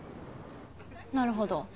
なるほど。